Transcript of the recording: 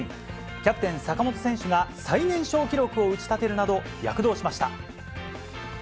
キャプテン、坂本選手が最年少記録を打ち立てるなど、躍動しました。